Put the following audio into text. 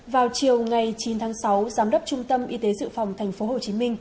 vào chiều ngày chín tháng sáu giám đốc trung tâm y tế dự phòng tp hcm